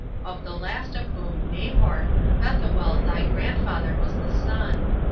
Of the last of whom [Nahor] Bethuel thy grandfather was the son.